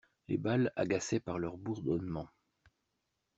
Les balles agaçaient par leur bourdonnement.